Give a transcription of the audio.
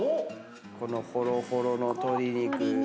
このホロホロの鶏肉。